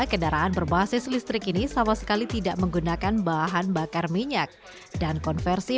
kendaraan berbasis listrik ini sama sekali tidak menggunakan bahan bakar minyak dan konversi